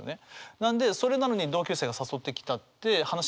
なんでそれなのに同級生が誘ってきたって話分かんない。